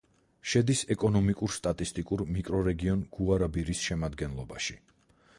შედის ეკონომიკურ-სტატისტიკურ მიკრორეგიონ გუარაბირის შემადგენლობაში.